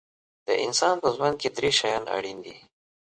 د انسان په ژوند کې درې شیان اړین دي.